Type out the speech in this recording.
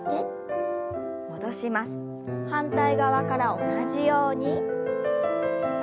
反対側から同じように。